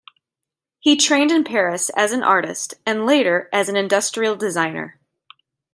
He trained in Paris as an artist and later as an industrial designer.